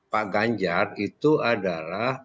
pak ganjar itu adalah